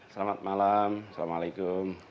selamat malam assalamualaikum